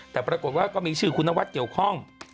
แต่ปรากฏว่าก็มีชื่อคุณนวัดเกี่ยวข้อง